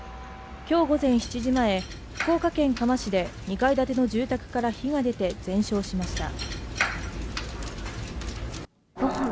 今日午前７時前福岡県嘉麻市で２階建ての住宅から火が出て全焼しました